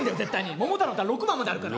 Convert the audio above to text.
「桃太郎」の歌６番まであるから。